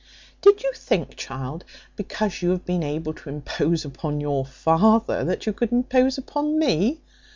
Did you think, child, because you have been able to impose upon your father, that you could impose upon me?